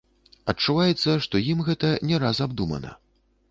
Адчуваецца, што ім гэта не раз абдумана.